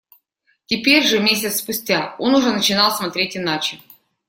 Теперь же, месяц спустя, он уже начинал смотреть иначе.